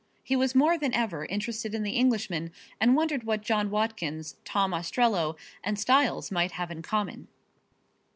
He was more than ever interested in the Englishman and wondered what John Watkins, Tom Ostrello and Styles might have in common.